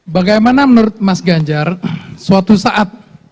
bagaimana menurut mas ganjar suatu saat